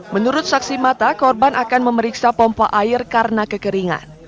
menurut saksi mata korban akan memeriksa pompa air karena kekeringan